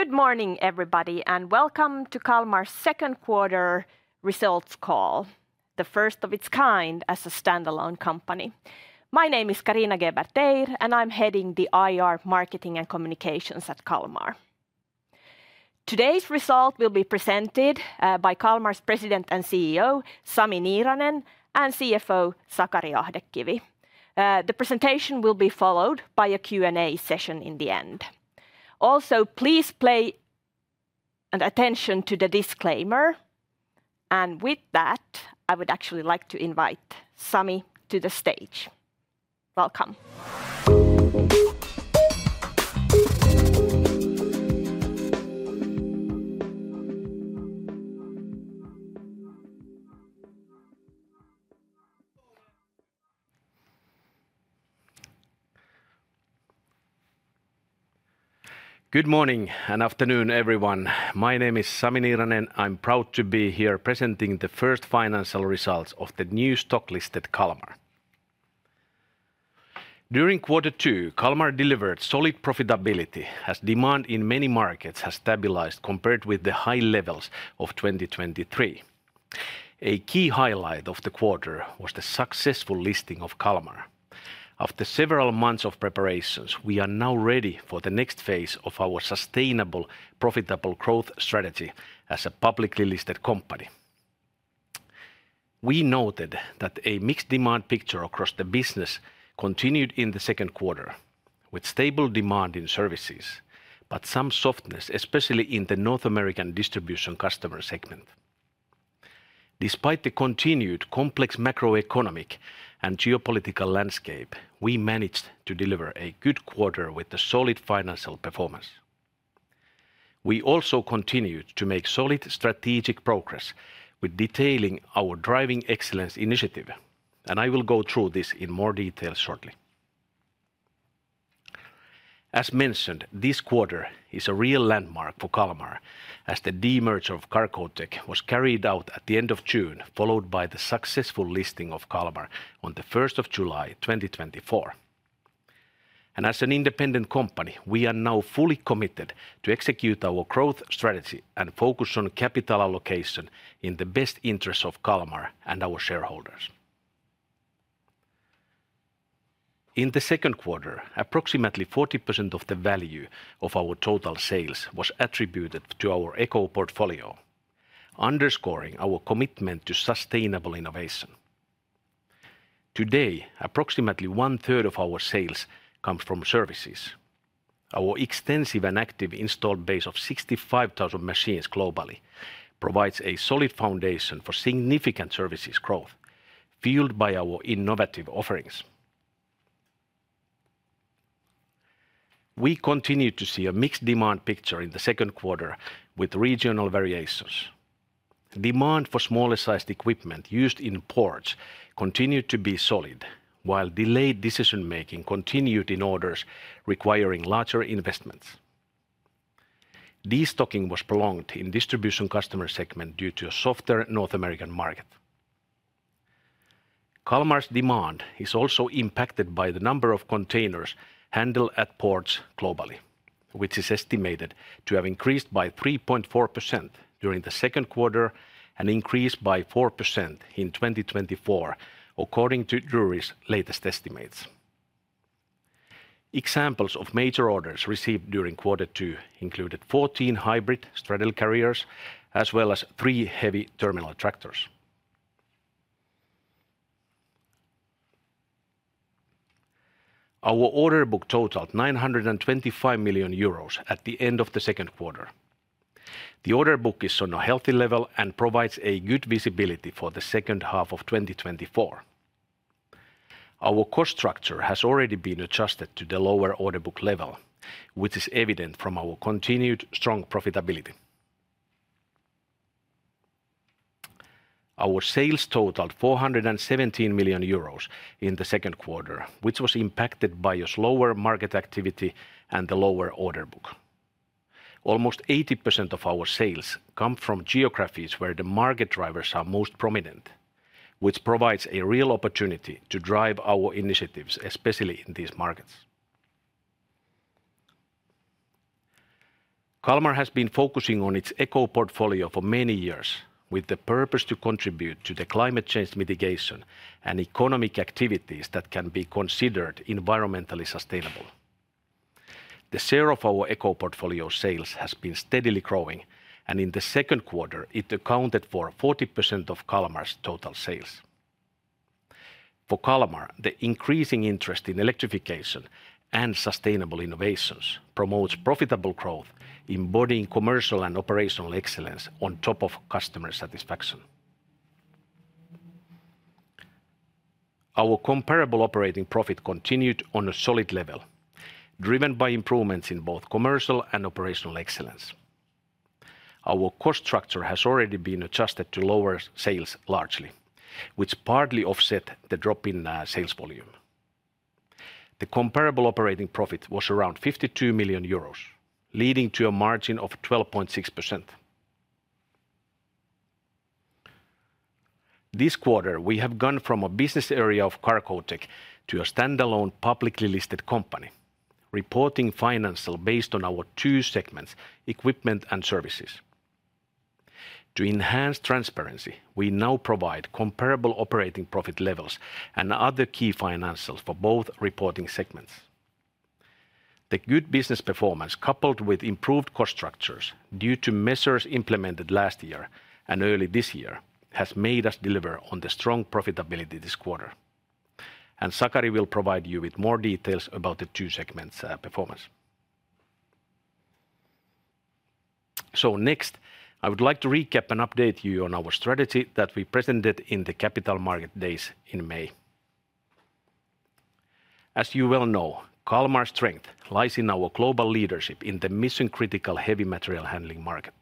Good morning, everybody, and welcome to Kalmar's Second Quarter Results Call, the first of its kind as a standalone company. My name is Carina Geber-Teir, and I'm heading the IR, Marketing, and Communications at Kalmar. Today's result will be presented by Kalmar's President and CEO, Sami Niiranen, and CFO, Sakari Ahdekivi. The presentation will be followed by a Q&A session in the end. Also, please pay an attention to the disclaimer, and with that, I would actually like to invite Sami to the stage. Welcome. Good morning, and afternoon, everyone. My name is Sami Niiranen. I'm proud to be here presenting the first financial results of the new stock-listed Kalmar. During quarter two, Kalmar delivered solid profitability, as demand in many markets has stabilized compared with the high levels of 2023. A key highlight of the quarter was the successful listing of Kalmar. After several months of preparations, we are now ready for the next phase of our sustainable, profitable growth strategy as a publicly listed company. We noted that a mixed demand picture across the business continued in the second quarter, with stable demand in services, but some softness, especially in the North American distribution customer segment. Despite the continued complex macroeconomic and geopolitical landscape, we managed to deliver a good quarter with a solid financial performance. We also continued to make solid strategic progress with detailing our Driving Excellence initiative, and I will go through this in more detail shortly. As mentioned, this quarter is a real landmark for Kalmar, as the de-merger of Cargotec was carried out at the end of June, followed by the successful listing of Kalmar on the 1st of July, 2024. As an independent company, we are now fully committed to execute our growth strategy and focus on capital allocation in the best interest of Kalmar and our shareholders. In the second quarter, approximately 40% of the value of our total sales was attributed to our Eco Portfolio, underscoring our commitment to sustainable innovation. Today, approximately one-third of our sales comes from services. Our extensive and active installed base of 65,000 machines globally provides a solid foundation for significant services growth, fueled by our innovative offerings. We continue to see a mixed demand picture in the second quarter with regional variations. Demand for smaller-sized equipment used in ports continued to be solid, while delayed decision-making continued in orders requiring larger investments. Destocking was prolonged in distribution customer segment due to a softer North American market. Kalmar's demand is also impacted by the number of containers handled at ports globally, which is estimated to have increased by 3.4% during the second quarter and increased by 4% in 2024, according to Drewry's latest estimates. Examples of major orders received during quarter two included 14 hybrid straddle carriers, as well as three heavy terminal tractors. Our order book totaled 925 million euros at the end of the second quarter. The order book is on a healthy level and provides a good visibility for the second half of 2024. Our cost structure has already been adjusted to the lower order book level, which is evident from our continued strong profitability. Our sales totaled 417 million euros in the second quarter, which was impacted by a slower market activity and the lower order book. Almost 80% of our sales come from geographies where the market drivers are most prominent, which provides a real opportunity to drive our initiatives, especially in these markets. Kalmar has been focusing on its Eco Portfolio for many years, with the purpose to contribute to the climate change mitigation and economic activities that can be considered environmentally sustainable. The share of our Eco Portfolio sales has been steadily growing, and in the second quarter, it accounted for 40% of Kalmar's total sales. For Kalmar, the increasing interest in electrification and sustainable innovations promotes profitable growth, embodying commercial and operational excellence on top of customer satisfaction. Our comparable operating profit continued on a solid level, driven by improvements in both commercial and operational excellence. Our cost structure has already been adjusted to lower sales largely, which partly offset the drop in sales volume. The comparable operating profit was around 52 million euros, leading to a margin of 12.6%.... This quarter, we have gone from a business area of Cargotec to a standalone, publicly listed company, reporting financial based on our two segments: equipment and services. To enhance transparency, we now provide comparable operating profit levels and other key financials for both reporting segments. The good business performance, coupled with improved cost structures due to measures implemented last year and early this year, has made us deliver on the strong profitability this quarter. Sakari will provide you with more details about the two segments, performance. Next, I would like to recap and update you on our strategy that we presented in the Capital Market Days in May. As you well know, Kalmar's strength lies in our global leadership in the mission-critical heavy material handling market.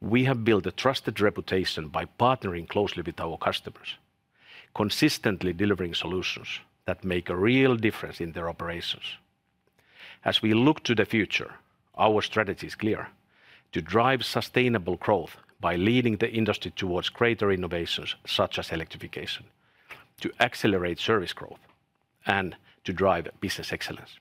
We have built a trusted reputation by partnering closely with our customers, consistently delivering solutions that make a real difference in their operations. As we look to the future, our strategy is clear: to drive sustainable growth by leading the industry towards greater innovations, such as electrification, to accelerate service growth, and to drive business excellence.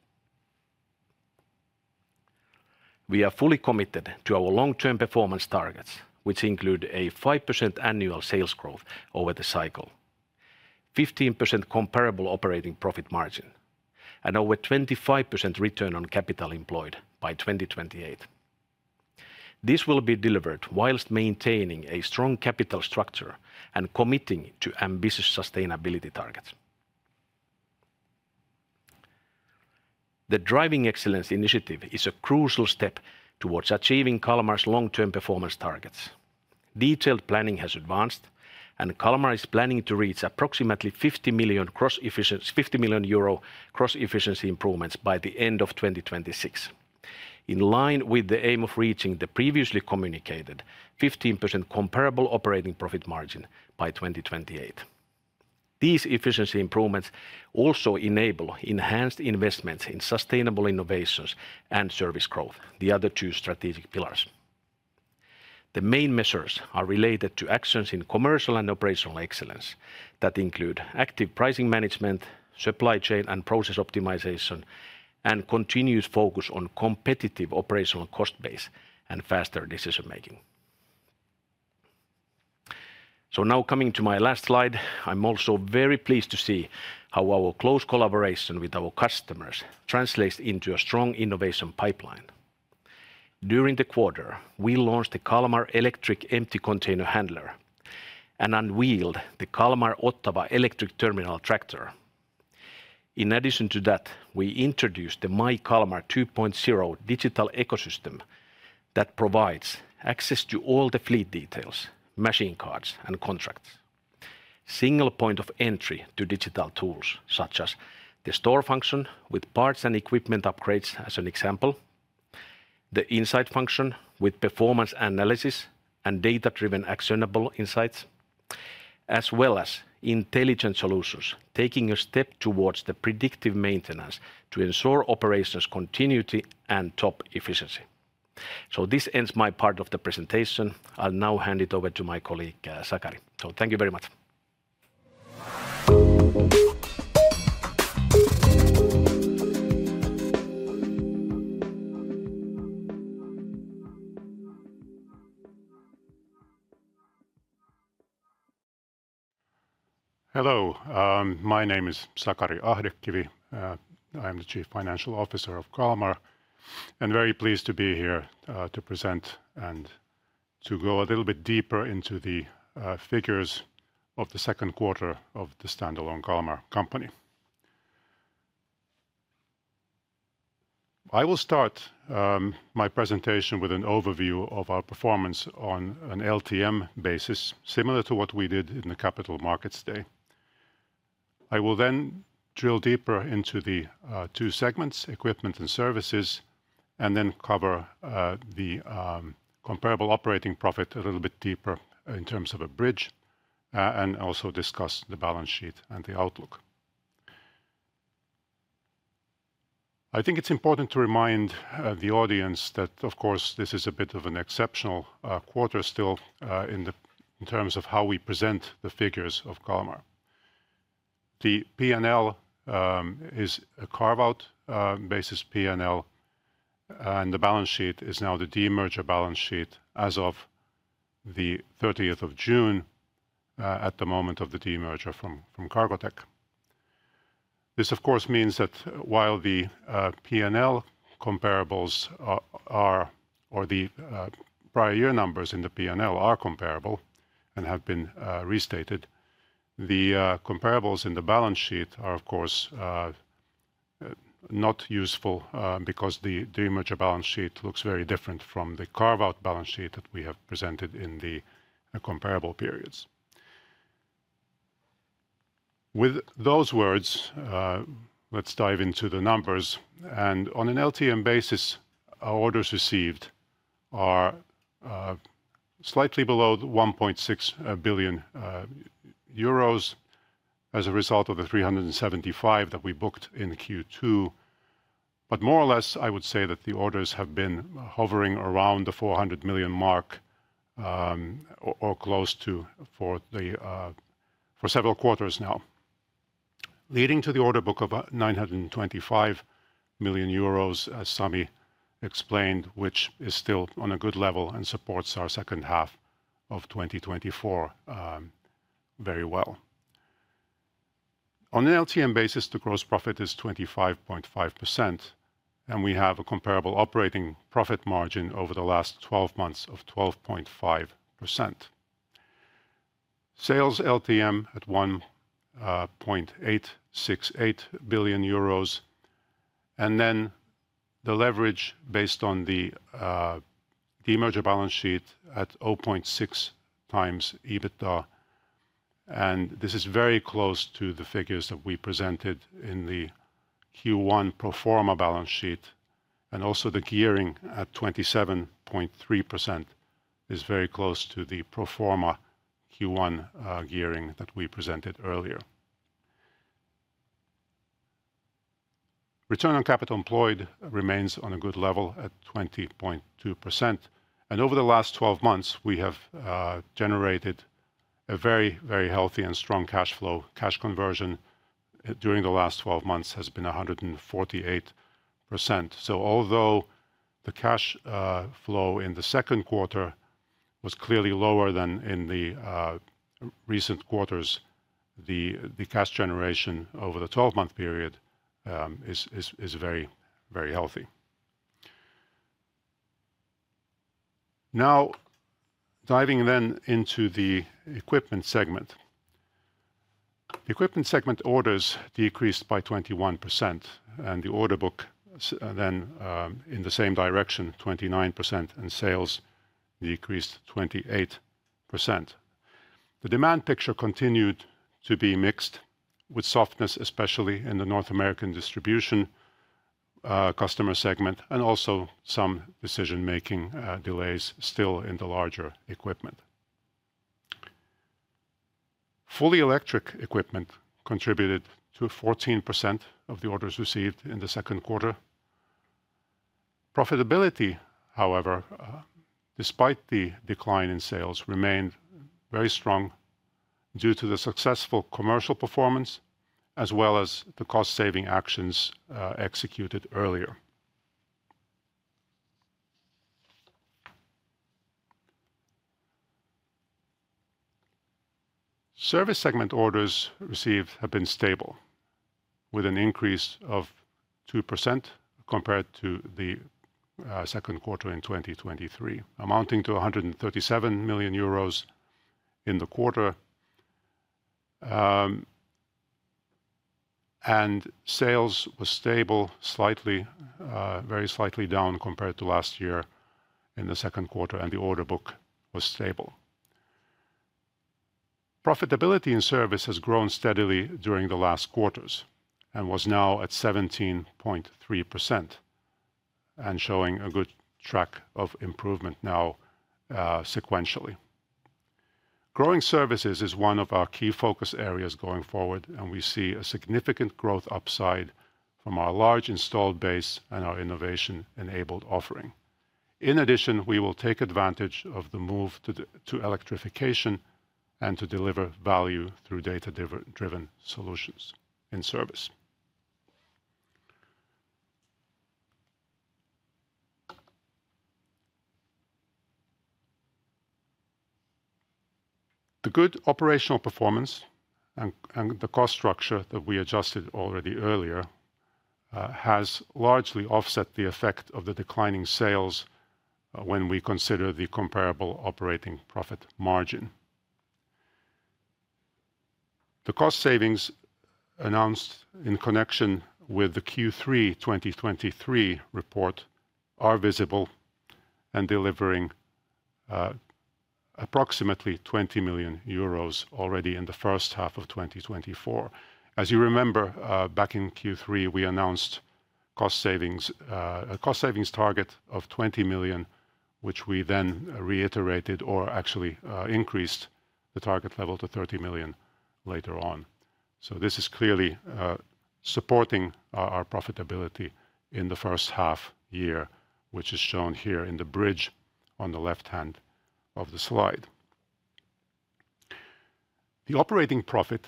We are fully committed to our long-term performance targets, which include a 5% annual sales growth over the cycle, 15% comparable operating profit margin, and over 25% return on capital employed by 2028. This will be delivered whilst maintaining a strong capital structure and committing to ambitious sustainability targets. The Driving Excellence initiative is a crucial step towards achieving Kalmar's long-term performance targets. Detailed planning has advanced, and Kalmar is planning to reach approximately 50 million cross-efficiency improvements by the end of 2026, in line with the aim of reaching the previously communicated 15% comparable operating profit margin by 2028. These efficiency improvements also enable enhanced investments in sustainable innovations and service growth, the other two strategic pillars. The main measures are related to actions in commercial and operational excellence that include active pricing management, supply chain and process optimization, and continuous focus on competitive operational cost base and faster decision-making. Now, coming to my last slide, I'm also very pleased to see how our close collaboration with our customers translates into a strong innovation pipeline. During the quarter, we launched the Kalmar electric empty container handler and unveiled the Kalmar Ottawa electric terminal tractor. In addition to that, we introduced the MyKalmar 2.0 digital ecosystem that provides access to all the fleet details, machine cards, and contracts. Single point of entry to digital tools, such as the store function with parts and equipment upgrades, as an example, the insight function with performance analysis and data-driven, actionable insights, as well as intelligent solutions, taking a step towards the predictive maintenance to ensure operations continuity and top efficiency. So this ends my part of the presentation. I'll now hand it over to my colleague, Sakari. So thank you very much. Hello. My name is Sakari Ahdekivi. I am the Chief Financial Officer of Kalmar, and very pleased to be here to present and to go a little bit deeper into the figures of the second quarter of the standalone Kalmar company. I will start my presentation with an overview of our performance on an LTM basis, similar to what we did in the Capital Markets Day. I will then drill deeper into the two segments, equipment and services, and then cover the comparable operating profit a little bit deeper in terms of a bridge and also discuss the balance sheet and the outlook. I think it's important to remind the audience that, of course, this is a bit of an exceptional quarter still in the... in terms of how we present the figures of Kalmar. The P&L is a carve-out basis P&L, and the balance sheet is now the demerger balance sheet as of the 30th of June at the moment of the demerger from Cargotec. This, of course, means that while the P&L comparables are or the prior year numbers in the P&L are comparable and have been restated, the comparables in the balance sheet are, of course, not useful because the demerger balance sheet looks very different from the carve-out balance sheet that we have presented in the comparable periods. With those words, let's dive into the numbers, and on an LTM basis, our orders received are slightly below 1.6 billion euros as a result of the 375 million that we booked in Q2. But more or less, I would say that the orders have been hovering around the 400 million mark, or, or close to, for the, for several quarters now, leading to the order book of 925 million euros, as Sami explained, which is still on a good level and supports our second half of 2024 very well. On an LTM basis, the gross profit is 25.5%, and we have a comparable operating profit margin over the last twelve months of 12.5%. Sales LTM at 1.868 billion euros, and then the leverage based on the demerger balance sheet at 0.6x EBITDA, and this is very close to the figures that we presented in the Q1 pro forma balance sheet, and also the gearing at 27.3% is very close to the pro forma Q1 gearing that we presented earlier. Return on capital employed remains on a good level at 20.2%, and over the last twelve months, we have generated a very, very healthy and strong cash flow. Cash conversion during the last twelve months has been 148%. So although the cash flow in the second quarter was clearly lower than in the recent quarters, the cash generation over the twelve-month period is very, very healthy. Now, diving then into the equipment segment. Equipment segment orders decreased by 21%, and the order book in the same direction, 29%, and sales decreased 28%. The demand picture continued to be mixed, with softness, especially in the North American distribution customer segment, and also some decision-making delays still in the larger equipment. Fully electric equipment contributed to 14% of the orders received in the second quarter. Profitability, however, despite the decline in sales, remained very strong due to the successful commercial performance, as well as the cost-saving actions executed earlier. Service segment orders received have been stable, with an increase of 2% compared to the second quarter in 2023, amounting to 137 million euros in the quarter. And sales were stable, slightly, very slightly down compared to last year in the second quarter, and the order book was stable. Profitability in service has grown steadily during the last quarters and was now at 17.3% and showing a good track of improvement now, sequentially. Growing services is one of our key focus areas going forward, and we see a significant growth upside from our large installed base and our innovation-enabled offering. In addition, we will take advantage of the move to electrification and to deliver value through data-driven solutions in service. The good operational performance and the cost structure that we adjusted already earlier has largely offset the effect of the declining sales when we consider the comparable operating profit margin. The cost savings announced in connection with the Q3 2023 report are visible and delivering approximately 20 million euros already in the first half of 2024. As you remember, back in Q3, we announced cost savings, a cost savings target of 20 million, which we then reiterated or actually increased the target level to 30 million later on. So this is clearly supporting our profitability in the first half year, which is shown here in the bridge on the left hand of the slide. The operating profit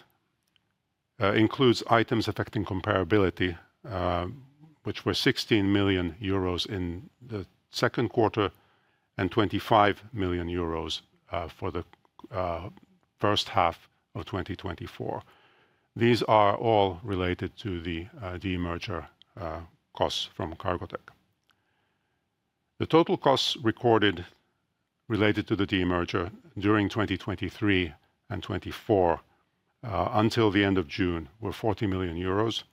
includes items affecting comparability, which were 16 million euros in the second quarter and 25 million euros for the first half of 2024. These are all related to the demerger costs from Cargotec. The total costs recorded related to the demerger during 2023 and 2024, until the end of June, were 40 million euros.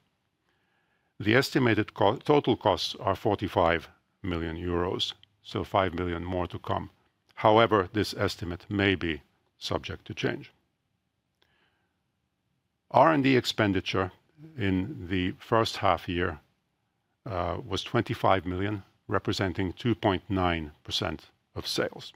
The estimated total costs are 45 million euros, so 5 million more to come. However, this estimate may be subject to change. R&D expenditure in the first half year was 25 million, representing 2.9% of sales.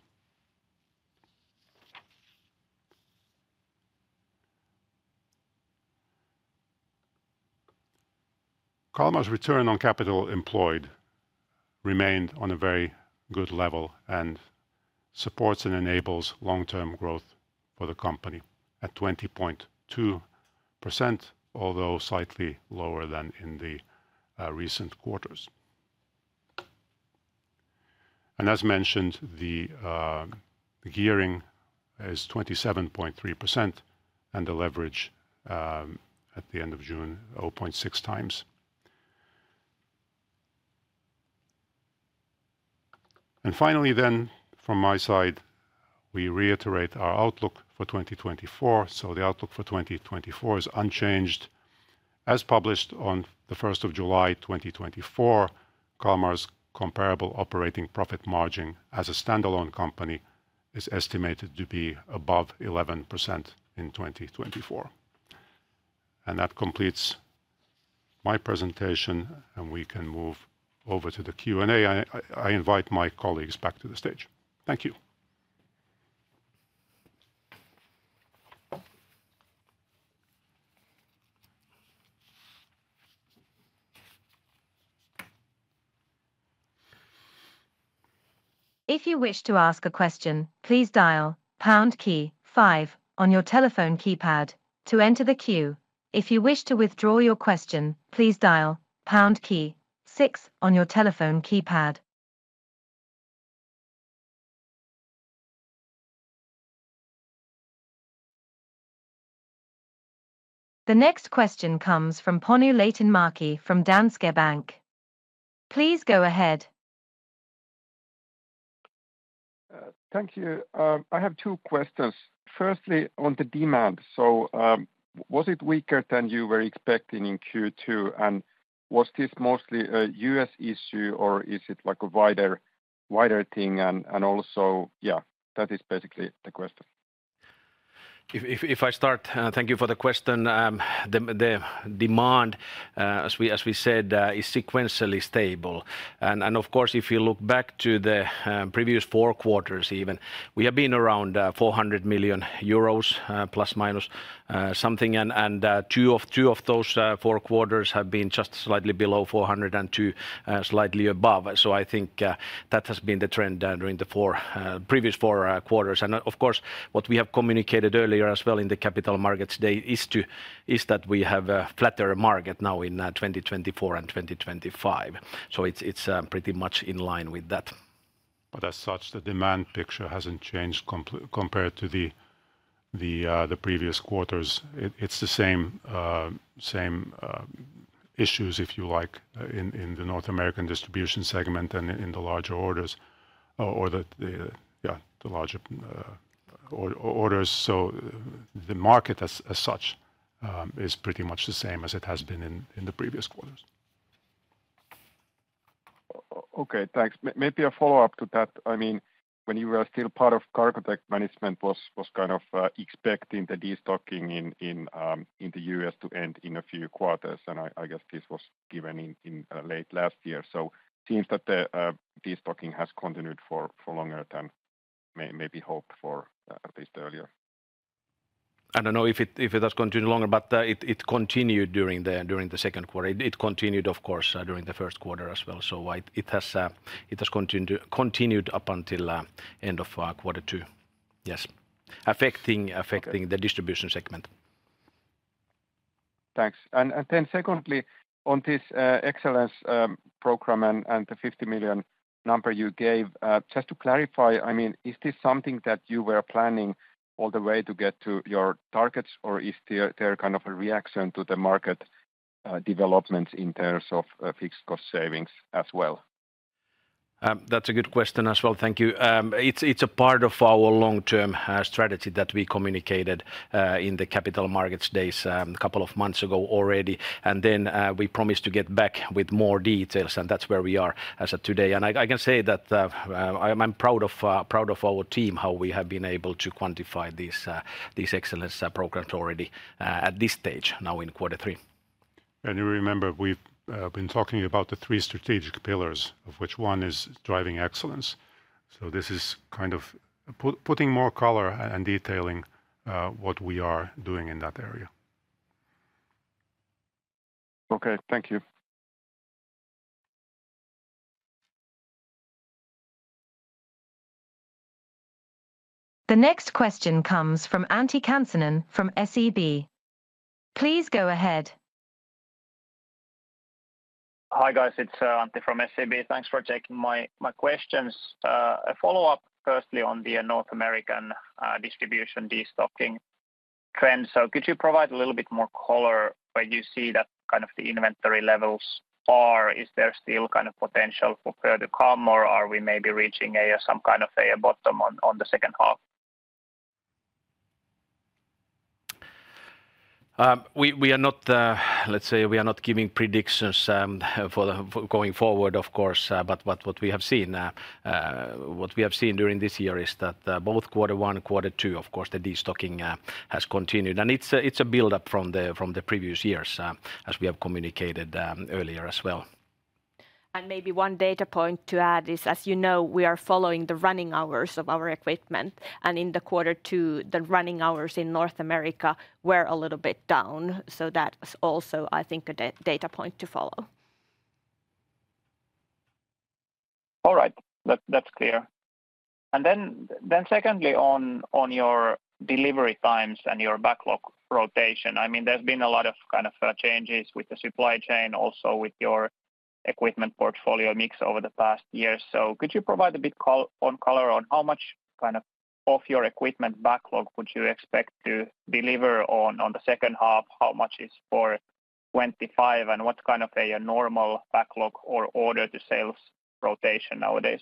Kalmar's return on capital employed remained on a very good level, and supports and enables long-term growth for the company at 20.2%, although slightly lower than in the recent quarters. As mentioned, the gearing is 27.3%, and the leverage at the end of June, 0.6 times. Finally, then from my side, we reiterate our outlook for 2024. The outlook for 2024 is unchanged. As published on the first of July, 2024, Kalmar's comparable operating profit margin as a standalone company is estimated to be above 11% in 2024. And that completes my presentation, and we can move over to the Q&A. I invite my colleagues back to the stage. Thank you. If you wish to ask a question, please dial pound key five on your telephone keypad to enter the queue. If you wish to withdraw your question, please dial pound key six on your telephone keypad. The next question comes from Panu Laitinmäki from Danske Bank. Please go ahead. Thank you. I have two questions. Firstly, on the demand: was it weaker than you were expecting in Q2, and was this mostly a U.S. issue, or is it, like, a wider thing? That is basically the question. If I start, thank you for the question. The demand, as we said, is sequentially stable. And, of course, if you look back to the previous four quarters even, we have been around 400 million euros, plus minus something. And, two of those four quarters have been just slightly below 400 million, and two slightly above. So I think that has been the trend during the four previous quarters. And, of course, what we have communicated earlier as well in the Capital Markets Day is that we have a flatter market now in 2024 and 2025. So it's pretty much in line with that. But as such, the demand picture hasn't changed compared to the previous quarters. It's the same issues, if you like, in the North American distribution segment and in the larger orders, or the larger orders. So the market as such is pretty much the same as it has been in the previous quarters. Okay, thanks. Maybe a follow-up to that. I mean, when you were still part of Cargotec, management was kind of expecting the destocking in the U.S. to end in a few quarters, and I guess this was given in late last year. So it seems that the destocking has continued for longer than maybe hoped for, at least earlier. I don't know if it has continued longer, but it continued during the second quarter. It continued, of course, during the first quarter as well. So it has continued up until the end of quarter two. Yes. Affecting- Okay... affecting the distribution segment. Thanks. And then secondly, on this excellence program and the 50 million number you gave, just to clarify, I mean, is this something that you were planning all the way to get to your targets, or is there kind of a reaction to the market developments in terms of fixed cost savings as well? That's a good question as well. Thank you. It's a part of our long-term strategy that we communicated in the Capital Markets Days a couple of months ago already. And then, we promised to get back with more details, and that's where we are as of today. And I can say that I am proud of our team, how we have been able to quantify this excellence program already at this stage now in quarter three. You remember, we've been talking about the three strategic pillars, of which one is driving excellence, so this is kind of putting more color and detailing what we are doing in that area. Okay, thank you. The next question comes from Antti Kansanen from SEB. Please go ahead. Hi, guys. It's Antti from SEB. Thanks for taking my questions. A follow-up, firstly, on the North American distribution destocking trend. So could you provide a little bit more color, where you see that kind of the inventory levels are? Is there still kind of potential for further calm, or are we maybe reaching some kind of a bottom on the second half? We are not... Let's say, we are not giving predictions for going forward, of course, but what we have seen during this year is that both quarter one and quarter two, of course, the destocking has continued. And it's a build-up from the previous years, as we have communicated earlier as well. ... And maybe one data point to add is, as you know, we are following the running hours of our equipment, and in the quarter two, the running hours in North America were a little bit down. So that is also, I think, a data point to follow. All right. That, that's clear. And then secondly, on your delivery times and your backlog rotation, I mean, there's been a lot of, kind of, changes with the supply chain, also with your equipment portfolio mix over the past years. So could you provide a bit of color on how much, kind of, of your equipment backlog would you expect to deliver in the second half? How much is for 2025, and what kind of a normal backlog or order to sales rotation nowadays?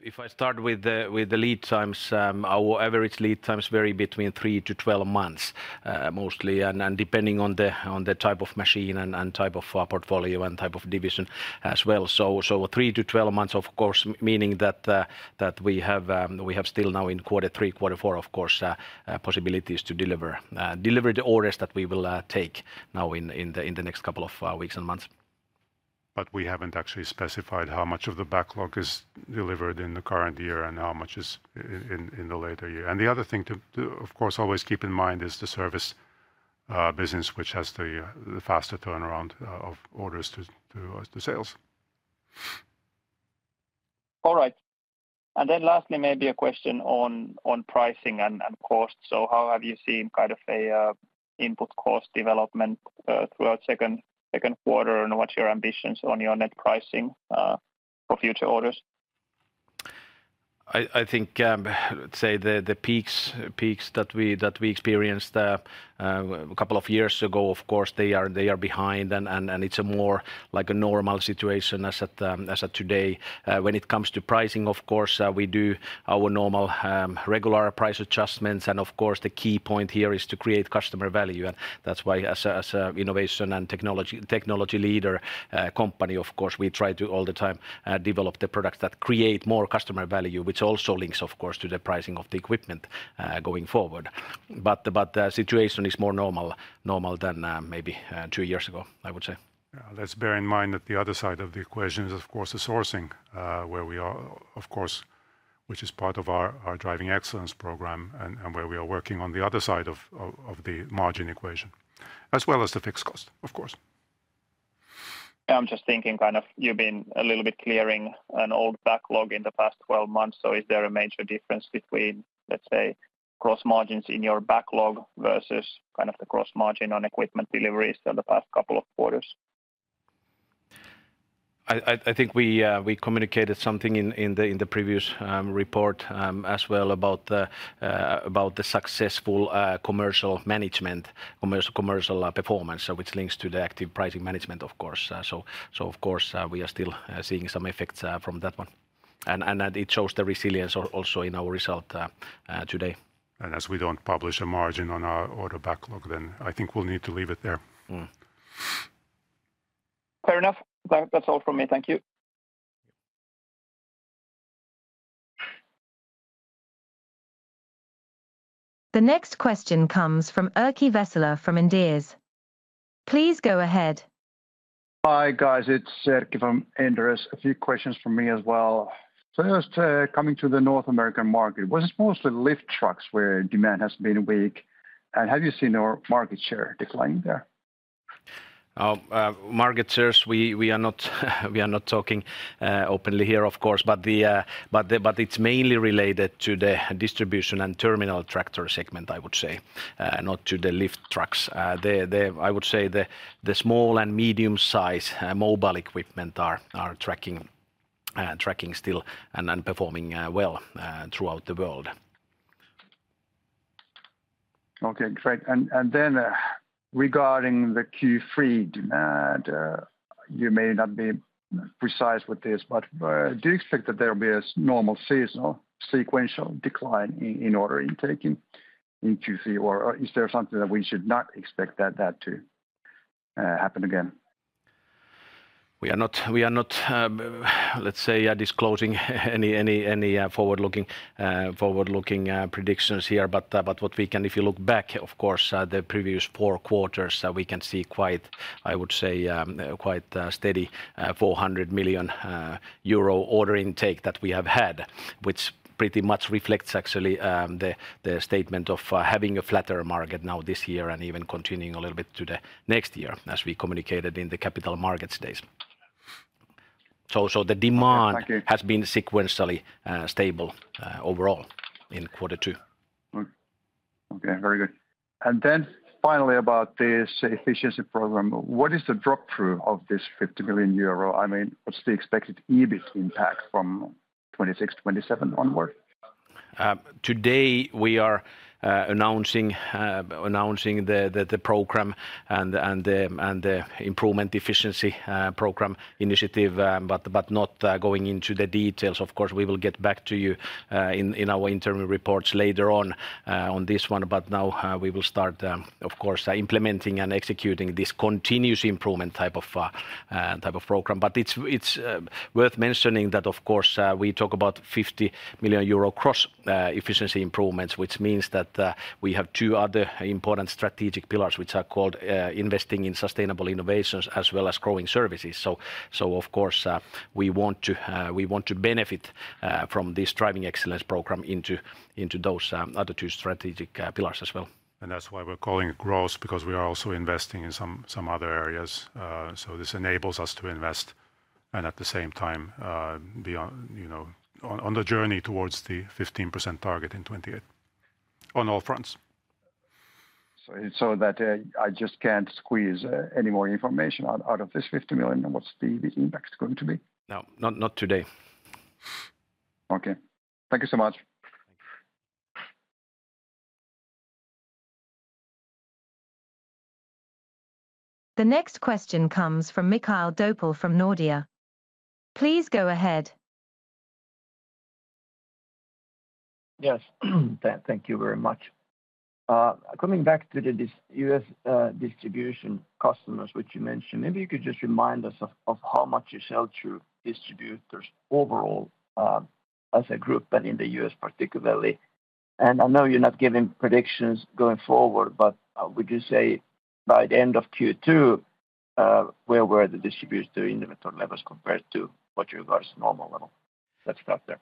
If I start with the lead times, our average lead times vary between 3 to 12 months, mostly, and depending on the type of machine and type of portfolio and type of division as well. So 3 to 12 months, of course, meaning that we have still now in quarter 3, quarter 4, of course, possibilities to deliver delivered orders that we will take now in the next couple of weeks and months. But we haven't actually specified how much of the backlog is delivered in the current year and how much is in the later year. And the other thing to, of course, always keep in mind is the service business, which has the faster turnaround of orders to sales. All right. And then lastly, maybe a question on pricing and cost. So how have you seen kind of a input cost development throughout second quarter, and what's your ambitions on your net pricing for future orders? I think, say, the peaks that we experienced a couple of years ago, of course, they are behind, and it's a more like a normal situation as at today. When it comes to pricing, of course, we do our normal, regular price adjustments. And of course, the key point here is to create customer value, and that's why as a innovation and technology leader company, of course, we try to all the time develop the products that create more customer value, which also links, of course, to the pricing of the equipment going forward. But the situation is more normal than maybe two years ago, I would say. Yeah. Let's bear in mind that the other side of the equation is, of course, the sourcing, where we are, of course, which is part of our Driving Excellence program, and where we are working on the other side of the margin equation, as well as the fixed cost, of course. I'm just thinking, kind of, you've been a little bit clearing an old backlog in the past 12 months, so is there a major difference between, let's say, gross margins in your backlog versus kind of the gross margin on equipment deliveries in the past couple of quarters? I think we communicated something in the previous report as well about the successful commercial management, commercial performance, so which links to the active pricing management, of course. So of course, we are still seeing some effects from that one. And it shows the resilience also in our result today. As we don't publish a margin on our order backlog, then I think we'll need to leave it there. Mm. Fair enough. That, that's all from me. Thank you. The next question comes from Erkki Vesola from Inderes. Please go ahead. Hi, guys. It's Erkki from Inderes. A few questions from me as well. So first, coming to the North American market, was it mostly lift trucks where demand has been weak, and have you seen our market share declining there? Our market shares, we are not talking openly here, of course, but it's mainly related to the distribution and terminal tractor segment, I would say, not to the lift trucks. I would say the small and medium-sized mobile equipment are tracking still and performing well throughout the world. Okay, great. And then regarding the Q3 demand, you may not be precise with this, but do you expect that there will be a normal seasonal sequential decline in order intake in Q3, or is there something that we should not expect that to happen again? We are not, let's say, disclosing any, forward-looking predictions here. But what we can... If you look back, of course, the previous four quarters, we can see quite, I would say, quite, steady, 400 million euro order intake that we have had, which pretty much reflects actually, the statement of, having a flatter market now this year and even continuing a little bit to the next year, as we communicated in the Capital Markets Days. So the demand- Okay. Thank you.... has been sequentially stable, overall in quarter two. Okay, very good. And then finally, about this efficiency program, what is the drop-through of this 50 million euro? I mean, what's the expected EBIT impact from 2026, 2027 onward? Today we are announcing the program and the improvement efficiency program initiative, but not going into the details. Of course, we will get back to you in our interim reports later on this one, but now we will start, of course, implementing and executing this continuous improvement type of program. But it's worth mentioning that, of course, we talk about 50 million euro cross-efficiency improvements, which means that we have two other important strategic pillars, which are called investing in sustainable innovations, as well as growing services. So, of course, we want to benefit from this Driving Excellence program into those other two strategic pillars as well. And that's why we're calling it growth, because we are also investing in some, some other areas. So this enables us to invest and at the same time, be on, you know, on the journey towards the 15% target in 2028 on all fronts. So that I just can't squeeze any more information out of this 50 million, and what's the impact is going to be? No, not, not today. Okay. Thank you so much. The next question comes from Mikael Doepel from Nordea. Please go ahead. Yes, thank you very much. Coming back to the US distribution customers, which you mentioned, maybe you could just remind us of how much you sell to distributors overall, as a group and in the US particularly. And I know you're not giving predictions going forward, but would you say by the end of Q2, where were the distributor inventory levels compared to what you regard as a normal level? Let's stop there.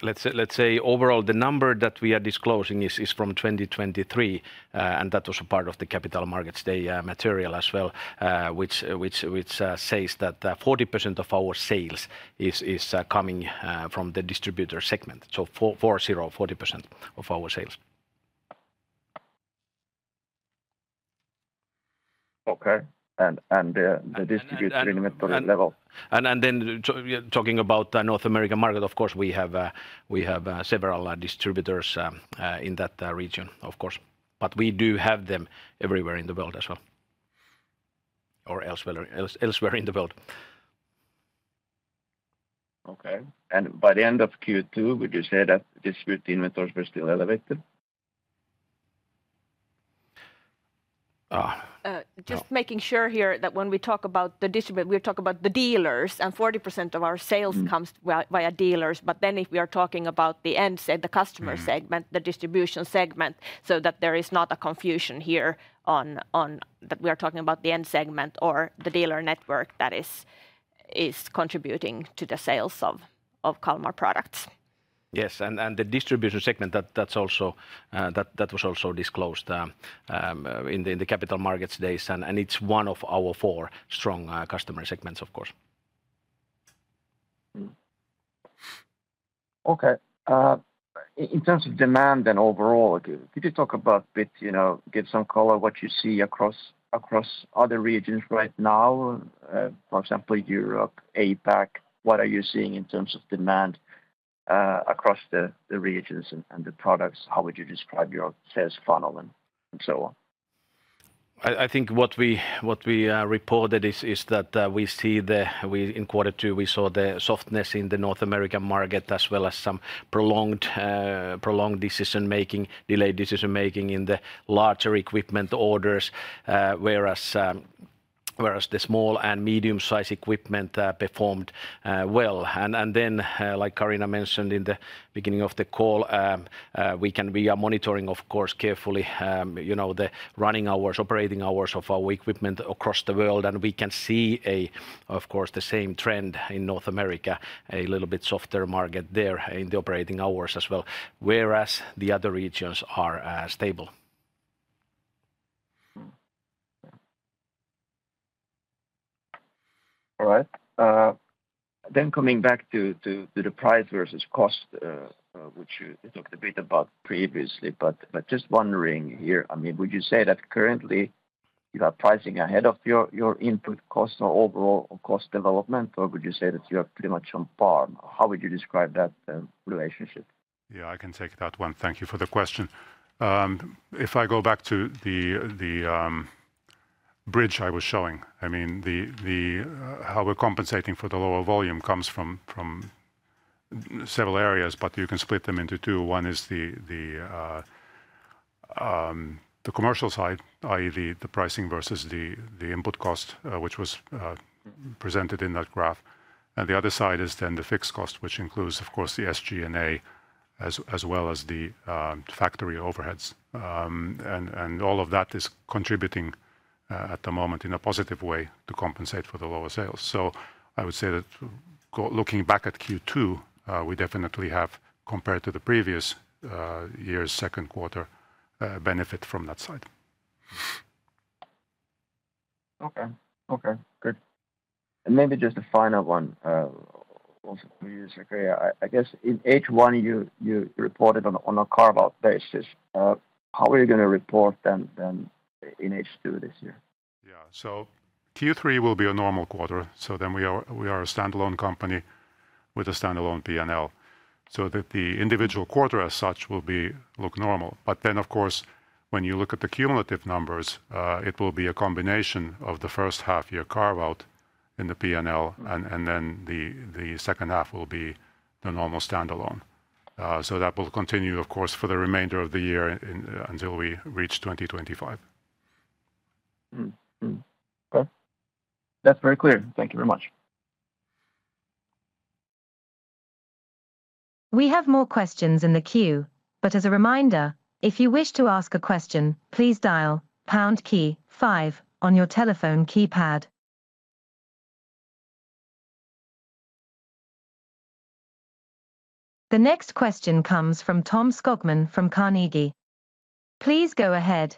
Let's say, let's say overall, the number that we are disclosing is from 2023, and that was a part of the Capital Markets Day material as well, which says that 40% of our sales is coming from the distributor segment. So 40, 40% of our sales. Okay. And the distributor- And, and, and- -inventory level? Talking about the North American market, of course, we have, we have, several distributors in that region, of course, but we do have them everywhere in the world as well, or elsewhere in the world. Okay. And by the end of Q2, would you say that distributor inventories were still elevated? Uh- Just making sure here that when we talk about the distributor, we're talking about the dealers, and 40% of our sales- Mm... comes via dealers. But then if we are talking about the end segment, the customer segment- Mm-hmm... the distribution segment, so that there is not a confusion here on. That we are talking about the end segment or the dealer network that is contributing to the sales of Kalmar products. Yes, and the distribution segment, that's also. That was also disclosed in the Capital Markets Days, and it's one of our four strong customer segments, of course. Mm-hmm. Okay. In terms of demand and overall, could you talk about a bit, you know, give some color what you see across, across other regions right now, for example, Europe, APAC? What are you seeing in terms of demand, across the, the regions and, and the products? How would you describe your sales funnel and, and so on? I think what we reported is that in quarter two, we saw the softness in the North American market, as well as some prolonged prolonged decision-making, delayed decision-making in the larger equipment orders. Whereas the small and medium-sized equipment performed well. And then, like Carina mentioned in the beginning of the call, we are monitoring, of course, carefully, you know, the running hours, operating hours of our equipment across the world, and we can see, of course, the same trend in North America, a little bit softer market there in the operating hours as well, whereas the other regions are stable. Mm-hmm. All right. Then coming back to the price versus cost, which you talked a bit about previously, but just wondering here, I mean, would you say that currently you are pricing ahead of your input costs or overall cost development, or would you say that you are pretty much on par? How would you describe that relationship? Yeah, I can take that one. Thank you for the question. If I go back to the bridge I was showing, I mean, how we're compensating for the lower volume comes from several areas, but you can split them into two. One is the commercial side, i.e., the pricing versus the input cost, which was presented in that graph. And the other side is then the fixed cost, which includes, of course, the SG&A, as well as the factory overheads. And all of that is contributing, at the moment, in a positive way to compensate for the lower sales. So I would say that looking back at Q2, we definitely have, compared to the previous year's second quarter, benefit from that side. Okay. Okay, good. And maybe just a final one, also for you, Sakari. I guess in H1, you reported on a carve-out basis. How are you gonna report then in H2 this year? Yeah. So Q3 will be a normal quarter, so then we are a standalone company with a standalone P&L. So that the individual quarter as such will be, look normal. But then, of course, when you look at the cumulative numbers, it will be a combination of the first half year carve-out in the P&L, and then the second half will be the normal standalone. So that will continue, of course, for the remainder of the year until we reach 2025. Mm-hmm. Okay, that's very clear. Thank you very much. We have more questions in the queue, but as a reminder, if you wish to ask a question, please dial pound key five on your telephone keypad.... The next question comes from Tom Skogman from Carnegie. Please go ahead.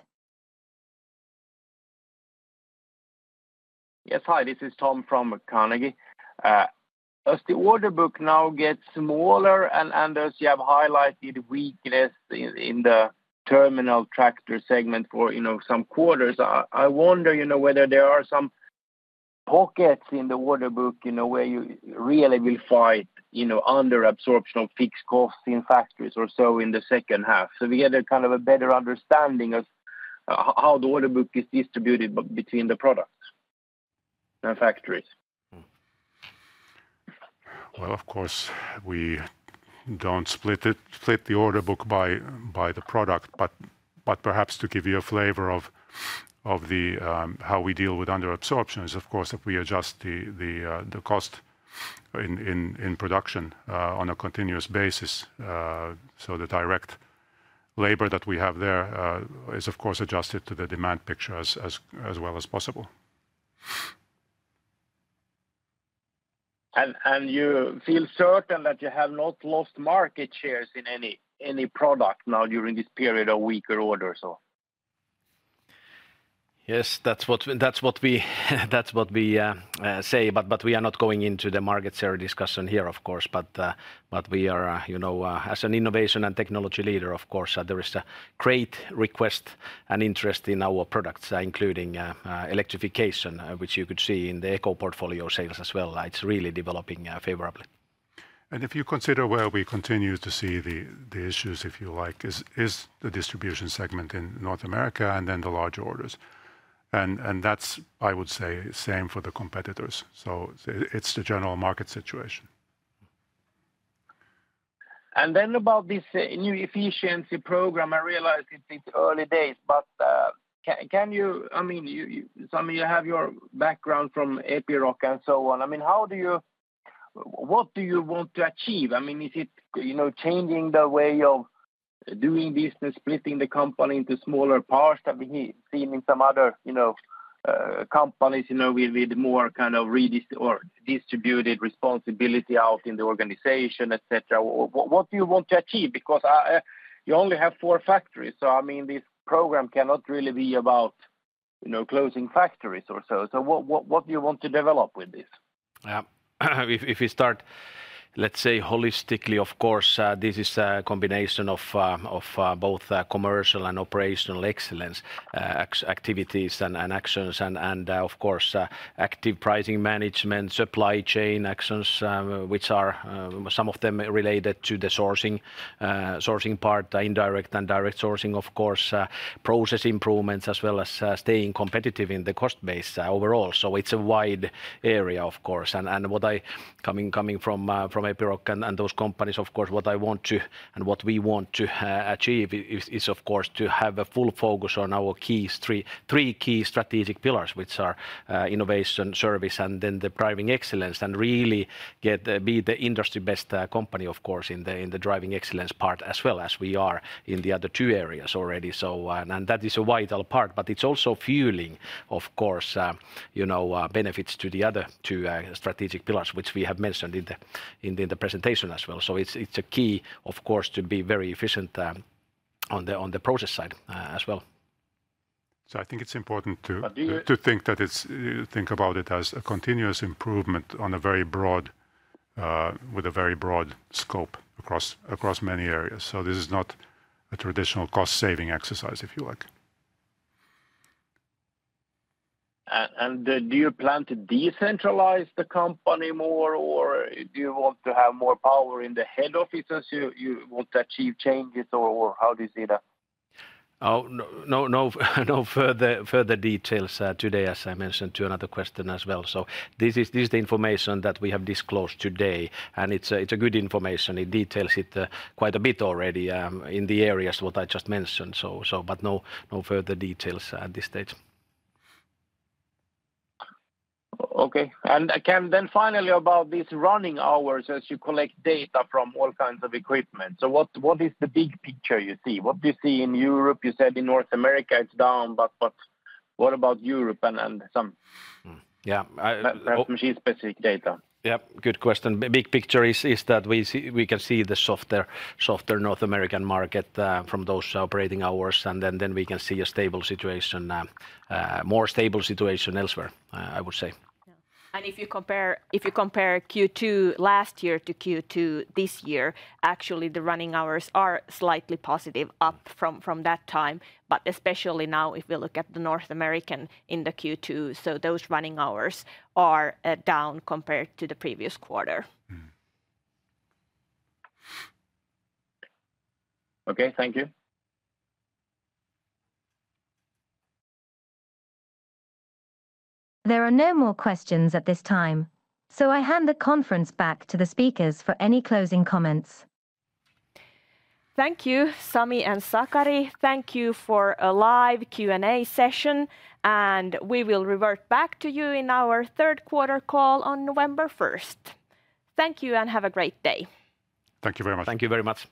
Yes, hi, this is Tom from Carnegie. As the order book now gets smaller and as you have highlighted weakness in the terminal tractor segment for, you know, some quarters, I wonder, you know, whether there are some pockets in the order book, you know, where you really will fight under absorption of fixed costs in factories or so in the second half. So we get a kind of a better understanding of how the order book is distributed between the products and factories. Well, of course, we don't split the order book by the product, but perhaps to give you a flavor of the how we deal with under absorption is, of course, if we adjust the cost in production on a continuous basis. So the direct labor that we have there is of course adjusted to the demand picture as well as possible. And you feel certain that you have not lost market shares in any product now during this period of weaker orders or? Yes, that's what we say, but we are not going into the market share discussion here, of course. But we are, you know, as an innovation and technology leader, of course, there is a great request and interest in our products, including electrification, which you could see in the Eco Portfolio sales as well. It's really developing favorably. If you consider where we continue to see the issues, if you like, is the distribution segment in North America, and then the large orders. And that's, I would say, same for the competitors. So it's the general market situation. And then about this new efficiency program, I realize it's early days, but can you... I mean, you Sami, you have your background from Epiroc, and so on. I mean, how do you... What do you want to achieve? I mean, is it, you know, changing the way of doing business, splitting the company into smaller parts that we see in some other, you know, companies, you know, with more kind of redistributed or distributed responsibility out in the organization, et cetera. What do you want to develop with this? Because you only have four factories, so, I mean, this program cannot really be about, you know, closing factories or so. So what do you want to develop with this? Yeah. If we start, let's say, holistically, of course, this is a combination of both commercial and operational excellence, activities and actions, and, of course, active pricing management, supply chain actions, which are some of them related to the sourcing, sourcing part, indirect and direct sourcing, of course, process improvements, as well as staying competitive in the cost base overall. So it's a wide area, of course. And what I... Coming from Epiroc and those companies, of course, what I want to, and what we want to, achieve is, of course, to have a full focus on our key three key strategic pillars, which are innovation, service, and then the driving excellence, and really get- be the industry-best company, of course, in the driving excellence part, as well as we are in the other two areas already. So, and that is a vital part, but it's also fueling, of course, you know, benefits to the other two strategic pillars, which we have mentioned in the presentation as well. So it's a key, of course, to be very efficient on the process side, as well. I think it's important to- But do you- to think that it's... Think about it as a continuous improvement on a very broad, with a very broad scope across, across many areas. So this is not a traditional cost-saving exercise, if you like. Do you plan to decentralize the company more, or do you want to have more power in the head office as you want to achieve changes, or how do you see that? Oh, no, no further details today, as I mentioned to another question as well. So this is the information that we have disclosed today, and it's a good information. It details it quite a bit already in the areas what I just mentioned. So, but no further details at this stage. Okay. Then finally, about these running hours, as you collect data from all kinds of equipment. So what is the big picture you see? What do you see in Europe? You said in North America, it's down, but what about Europe and some- Mm. Yeah, I- -machine-specific data? Yeah, good question. Big picture is that we can see the softer North American market from those operating hours, and then we can see a stable situation, more stable situation elsewhere, I would say. Yeah. And if you compare Q2 last year to Q2 this year, actually, the running hours are slightly positive, up from that time. But especially now, if we look at North America in the Q2, so those running hours are down compared to the previous quarter. Mm. Okay, thank you. There are no more questions at this time, so I hand the conference back to the speakers for any closing comments. Thank you, Sami and Sakari. Thank you for a live Q&A session, and we will revert back to you in our third quarter call on November 1st. Thank you, and have a great day. Thank you very much. Thank you very much.